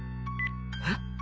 えっ！？